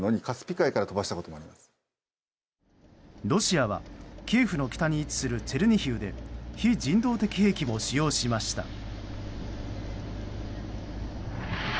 ロシアはキエフの北に位置するチェルニヒウで非人道的兵器も使用しました。